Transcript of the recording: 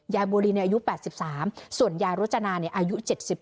ยายบัวลีในอายุ๘๓ส่วนยายรจนาอายุ๗๒